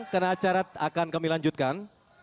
dan saya harap akan kami lanjutkan